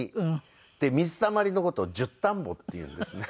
で「水たまり」の事を「じゅったんぼ」っていうんですね。